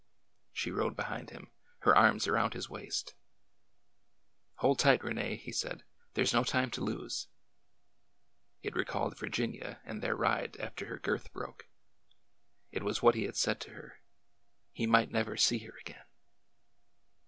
She rode behind him, her arms around his waist. " Hold tight, Rene," he said. " There 's no time to lose." It recalled Virginia and their ride after her girth broke. It was what he had said to her. He might never see her again